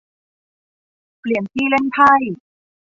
เปลี่ยนที่เล่นไพ่